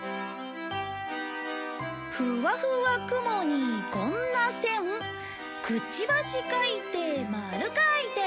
「ふわふわ雲にこんな線」「くちばし描いて丸描いて」